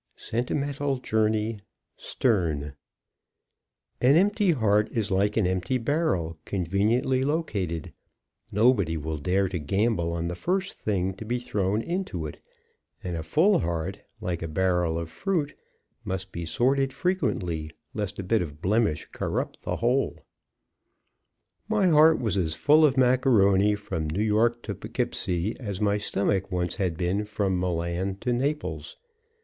Sentimental Journey Stearne. An empty heart is like an empty barrel conveniently located; nobody will dare to gamble on the first thing to be thrown into it: and a full heart, like a barrel of fruit, must be sorted frequently, lest a bit of blemish corrupt the whole. My heart was as full of Macaroni from New York to Po'keepsie as my stomach once had been from Milan to Naples.